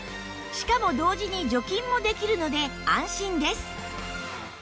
しかも同時に除菌もできるので安心です